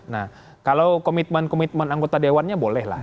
nah kalau komitmen komitmen anggota dewan boleh lah